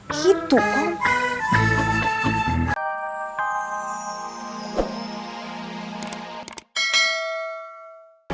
hah gitu kok